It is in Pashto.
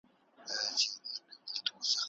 بس ور پاته دا یو نوم یو زوړ ټغر دی